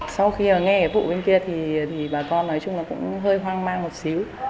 sau khi nghe cái vụ bên kia thì bà con nói chung là cũng hơi hoang mang một xíu